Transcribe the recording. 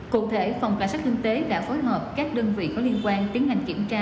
cụ thể phòng cảnh sát kinh tế đã phối hợp các đơn vị có liên quan tiến hành kiểm tra